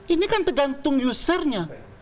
ini kan tergantung usernya